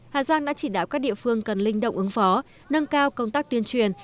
hà giang đã chỉ đạo các địa phương cần linh động ứng phó nâng cao công tác tuyên truyền